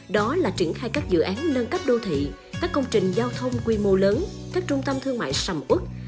đó là triển khai các dự án nâng cấp đô thị các công trình giao thông quy mô lớn các trung tâm thương mại sầm út